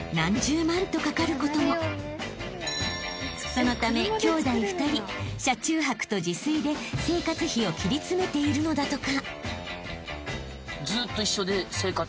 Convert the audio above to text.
［そのためきょうだい２人車中泊と自炊で生活費を切り詰めているのだとか］